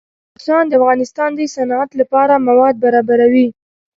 بدخشان د افغانستان د صنعت لپاره مواد برابروي.